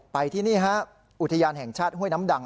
ที่นี่ฮะอุทยานแห่งชาติห้วยน้ำดัง